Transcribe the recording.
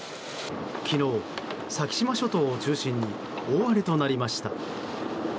昨日、先島諸島を中心に大荒れとなりました。